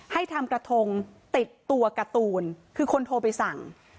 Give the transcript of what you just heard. ให้ทำกระทงติดตัวการ์ตูนคือคนโทรไปสั่ง